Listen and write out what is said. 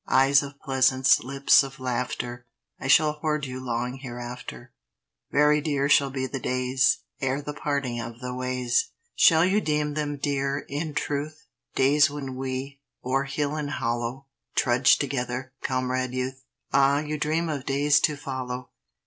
Eyes of pleasance, lips of laughter, I shall hoard you long hereafter; Very dear shall be the days Ere the parting of the ways! Shall you deem them dear, in truth, Days when we, o'er hill and hollow, Trudged together, Comrade Youth? Ah, you dream of days to follow!